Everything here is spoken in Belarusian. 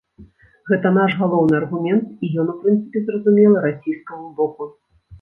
Гэта наш галоўны аргумент, і ён у прынцыпе зразумелы расійскаму боку.